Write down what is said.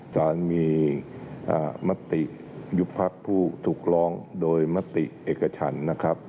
สารมีมติยุบพักผู้ถูกร้องโดยมติเอกชันนะครับ